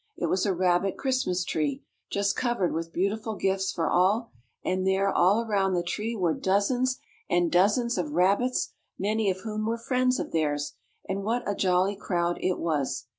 It was a rabbit Christmas tree, just covered with beautiful gifts for all, and there all around the tree were dozens and dozens of rabbits many of whom were friends of theirs, and what a jolly crowd it was.